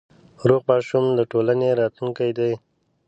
روغ ماشوم د ټولنې راتلونکی دی۔